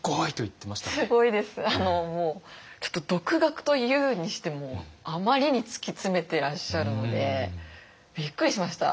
もうちょっと独学と言うにしてもあまりに突き詰めてらっしゃるのでびっくりしました。